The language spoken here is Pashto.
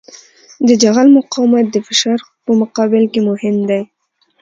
د جغل مقاومت د فشار په مقابل کې مهم دی